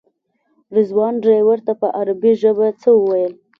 رضوان ډریور ته په عربي ژبه څه وویل.